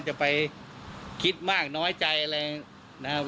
จะไปคิดมากน้อยใจอะไรนะครับ